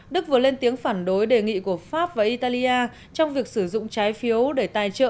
đức vừa lên tiếng phản đối đề nghị của pháp và italia trong việc sử dụng trái phiếu để tài trợ